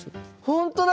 ほんとだ